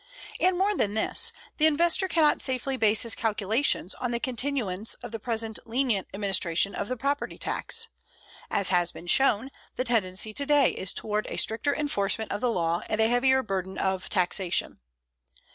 And more than this; the investor cannot safely base his calculations on the continuance of the present lenient administration of the property tax. As has been shown, the tendency today is toward a stricter enforcement of the law and a heavier burden of taxation.